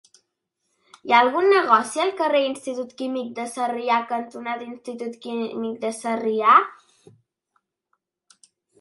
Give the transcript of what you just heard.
Hi ha algun negoci al carrer Institut Químic de Sarrià cantonada Institut Químic de Sarrià?